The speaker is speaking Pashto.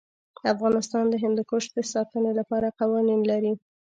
افغانستان د هندوکش د ساتنې لپاره قوانین لري.